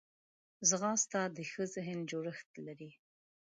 ځغاسته د ښه ذهن جوړښت لري